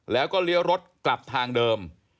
แล้วก็เลี้ยวรถกลับทางเดิม